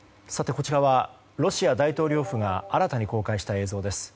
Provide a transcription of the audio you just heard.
こちらはロシア大統領府が新たに公開した映像です。